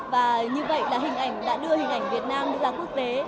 và như vậy là hình ảnh đã đưa hình ảnh việt nam ra quốc tế